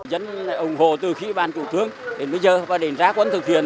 dân ủng hộ từ khi bàn chủ thương đến bây giờ và đến ra quán thực hiện